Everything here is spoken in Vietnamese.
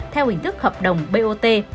theo hình thức hợp đồng bot